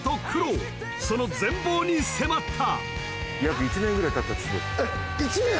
［その全貌に迫った］